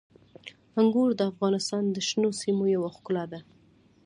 انګور د افغانستان د شنو سیمو یوه ښکلا ده.